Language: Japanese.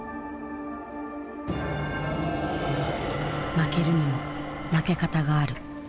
負けるにも負け方がある。